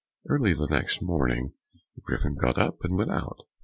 Early the next morning the Griffin got up and went out.